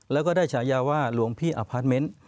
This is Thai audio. แล้วก็ได้ฉายาว่าหลวงพี่อพาร์ทเมนต์